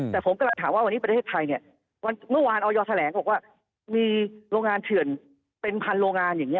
แต่ผมกำลังถามว่าวันนี้ประเทศไทยเนี่ยเมื่อวานออยแถลงบอกว่ามีโรงงานเถื่อนเป็นพันโรงงานอย่างนี้